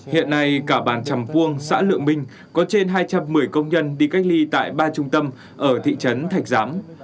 hiện nay cả bản chằm puông xã lượng minh có trên hai trăm một mươi công nhân đi cách ly tại ba trung tâm ở thị trấn thạch giám